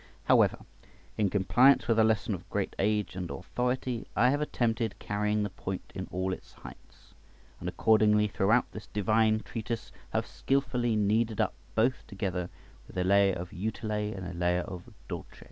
However, in compliance with a lesson of great age and authority, I have attempted carrying the point in all its heights, and accordingly throughout this divine treatise have skilfully kneaded up both together with a layer of utile and a layer of dulce.